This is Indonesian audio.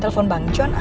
telepon bang jonah